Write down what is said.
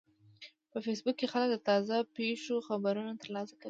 په فېسبوک کې خلک د تازه پیښو خبرونه ترلاسه کوي